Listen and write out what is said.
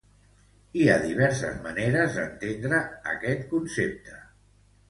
Hi ha diverses maneres d'entendre este concepte.